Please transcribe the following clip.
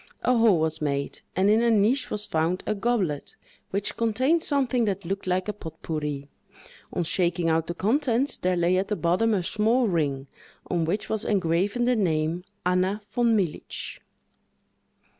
A hole was made, and in a niche was found a goblet, which contained something that looked like a pot pourri. On shaking out the contents, there lay at the bottom a small ring, on which was engraven the name Anna Von Militz.